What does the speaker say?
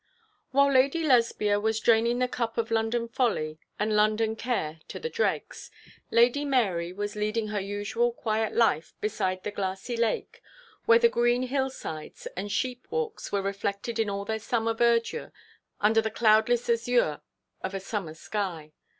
While Lady Lesbia was draining the cup of London folly and London care to the dregs, Lady Mary was leading her usual quiet life beside the glassy lake, where the green hill sides and sheep walks were reflected in all their summer verdure under the cloudless azure of a summer sky.